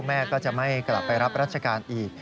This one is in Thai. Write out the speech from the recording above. แม่ก็จะไม่กลับไปรับราชการอีก